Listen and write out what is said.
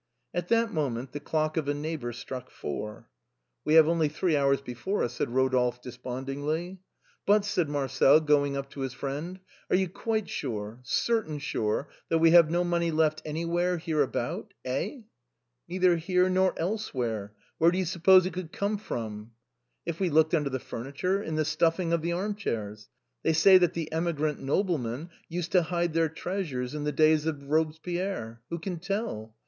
At that moment the clock of a neighbor struck four. " We have only three hours before us," said Rodolphe despondingly. " But," said Marcel, going up to his friend, " are you quite sure, certain sure, that we have no money left any where hereabout ? Eh ?"" Neither here, nor elsewhere. Where do you suppose it could come from ?'" If we looked under the furniture ; in the stuffing of the arm chairs? They say that the emigrant noblemen used to hide their treasures in the days of Robespierre. Who can tell?